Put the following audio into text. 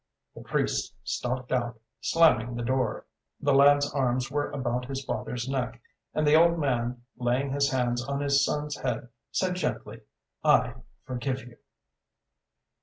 The priest stalked out, slamming the door. The lad's arms were about his father's neck; and the old man, laying his hands on his son's head, said gently: "I forgive you."